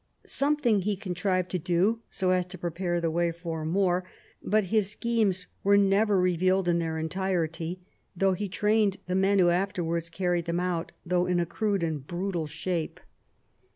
Something he contrived to do, so as to prepare the way for more ; but his schemes were never revealed in their entirety, though he trained the men who afterwards carried them out, though in a crude and brutal shape.